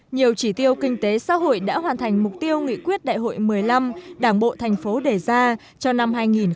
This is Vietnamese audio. nhiều chỉ tiêu kinh tế xã hội đã hoàn thành mục tiêu nghị quyết đại hội một mươi năm đảng bộ thành phố đề ra cho năm hai nghìn hai mươi